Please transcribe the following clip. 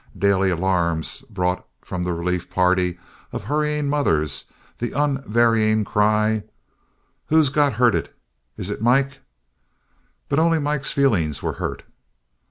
Daily alarms brought from the relief party of hurrying mothers the unvarying cry, "Who's got hurted? Is it Mike?" But only Mike's feelings were hurt.